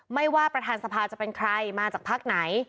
ไม่ว่าประธานสภาจะเป็นใครมาจากพักไหน